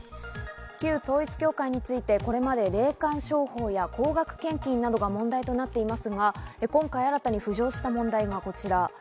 旧統一教会について、これまで霊感商法や高額献金などが問題となっていますが、今回、新たに浮上した問題がこちら。